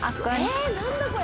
えっ何だこれ。